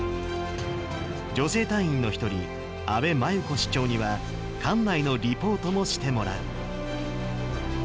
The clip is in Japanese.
女性隊員の一人、阿部眞友子士長には、艦内のリポートもしてもらう。